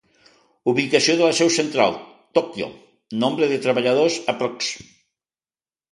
Ubicació de la seu central: Tòquio, nombre de treballadors: aprox.